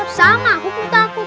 sama aku pun takut